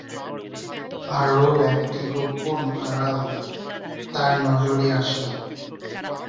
আরও একটি গোপন আড়াল তাঁর নজরে আসে।